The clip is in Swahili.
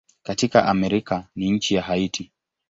Katika Amerika ni nchi ya Haiti.